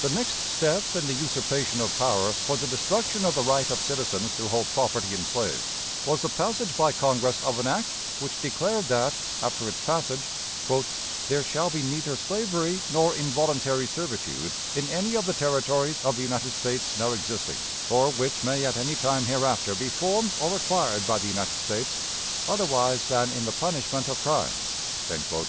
The next step in the usurpation of power for the destruction of the right of citizens to hold property in slaves was the passage by Congress of an act which declared that, after its passage "There shall be neither slavery nor involuntary servitude in any of the Territories of the United States now existing, or which may at any time hereafter be formed or acquired by the United States, otherwise than in the punishment of crimes," etc.